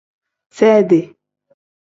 Seedi.